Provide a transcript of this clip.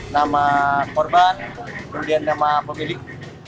nama korban kemudian nama pemilik